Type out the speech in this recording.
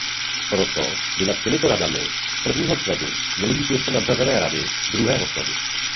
Proto by nad těmito radami "prvního sledu" měly být ještě nadřazené rady "druhého sledu".